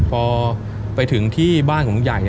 พอไปถึงที่บ้านของลุงใหญ่